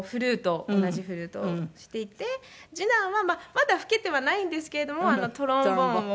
同じフルートをしていて次男はまだ吹けてはないんですけれどもトロンボーンを。